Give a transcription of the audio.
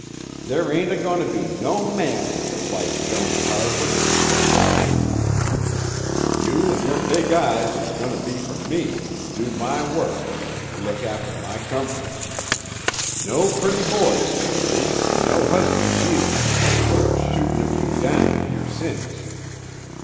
'There ain't a goin' to be no man in yer life, Joan Carver,' says I; 'you an' yer big eyes is a goin' to be fer me, to do my work an' to look after my comforts. No pretty boys fer you an' no husbands either to go a shootin' of you down fer yer sins.'"